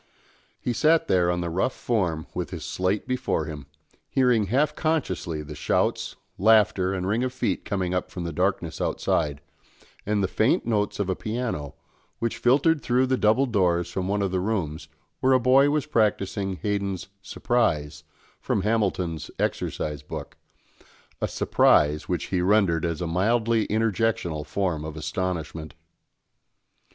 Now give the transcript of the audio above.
He sat there on the rough form with his slate before him, hearing half unconsciously the shouts, laughter, and ring of feet coming up from the darkness outside, and the faint notes of a piano, which filtered through the double doors from one of the rooms, where a boy was practising Haydn's "Surprise," from Hamilton's exercise book, a surprise which he rendered as a mildly interjectional form of astonishment.